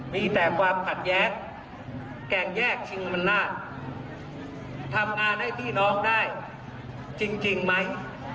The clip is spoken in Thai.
มีแต่ความขัดแย้งแก่งแยกชิงอำนาจทำงานให้พี่น้องได้จริงไหม